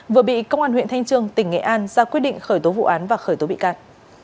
vừa bị công an huyện thanh trương tỉnh nghệ an ra quyết định khởi tố vụ án và khởi tố bị can